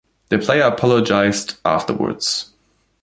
The player apologised afterwards.